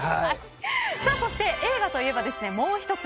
そして映画といえばもう一つ。